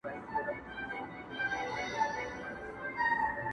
دا اور د وجدان وېري او شرم ګډه بڼه ده چي دوام لري,